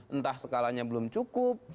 entah skalanya belum cukup